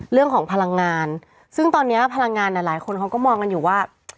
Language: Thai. เรื่องของพลังงานซึ่งตอนนี้ภาราการน่ะหลายคนเขาก็มองอยู่ว่า